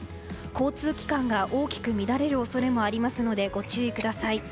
交通機関が大きく乱れる恐れもありますのでご注意ください。